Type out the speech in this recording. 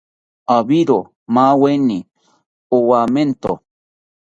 Akibiro maweni owamento